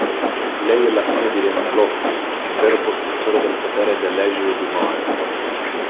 Lei alla fine diventa l'"occhio", il vero possessore dell'potere dell'Azure Grimoire.